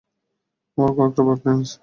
আমার একটা বয়ফ্রেন্ড আছে।